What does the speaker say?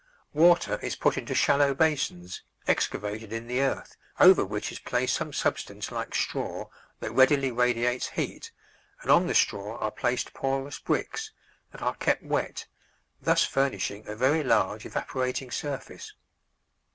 Water is put into shallow basins, excavated in the earth, over which is placed some substance like straw that readily radiates heat, and on the straw are placed porous bricks, that are kept wet, thus furnishing a very large evaporating surface.